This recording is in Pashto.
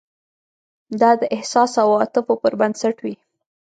دا د احساس او عواطفو پر بنسټ وي.